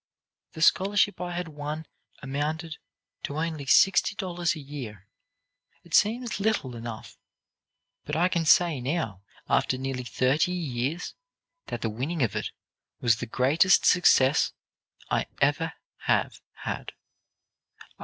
"The scholarship I had won amounted to only sixty dollars a year. It seems little enough, but I can say now, after nearly thirty years, that the winning of it was the greatest success I ever have had.